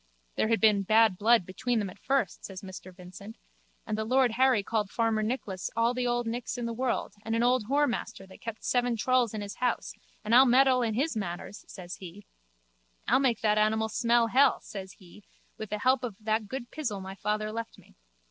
There was bad blood between them at first, says Mr Vincent, and the lord Harry called farmer Nicholas all the old Nicks in the world and an old whoremaster that kept seven trulls in his house and I'll meddle in his matters, says he. I'll make that animal smell hell, says he, with the help of that good pizzle my father left me.